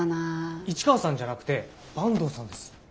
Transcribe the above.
市川さんじゃなくて坂東さんです。